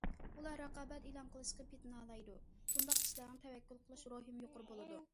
ئۇلار رىقابەت ئېلان قىلىشقا پېتىنالايدۇ، بۇنداق كىشىلەرنىڭ تەۋەككۈل قىلىش روھىمۇ يۇقىرى بولىدۇ.